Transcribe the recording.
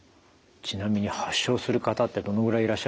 ちなみに発症する方ってどのぐらいいらっしゃるんでしょう？